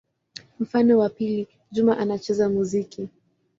Mfano wa pili: Juma anacheza muziki.